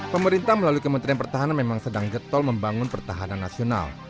pemerintah melalui kementerian pertahanan memang sedang getol membangun pertahanan nasional